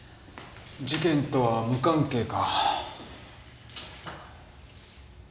事件とは無関係か。